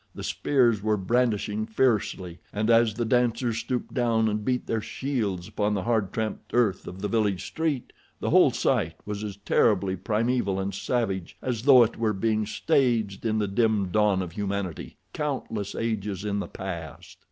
The spears were brandishing fiercely, and as the dancers stooped down and beat their shields upon the hard tramped earth of the village street the whole sight was as terribly primeval and savage as though it were being staged in the dim dawn of humanity, countless ages in the past.